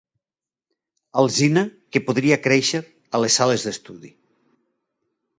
Alzina que podria créixer a les sales d'estudi.